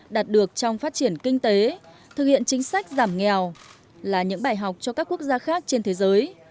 đạt được trong phát triển kinh tế thực hiện chính sách giảm nghèo là những bài học cho các quốc gia khác trên thế giới